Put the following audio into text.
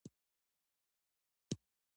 څار، څارل، څارنه، څارندوی، څارنوالي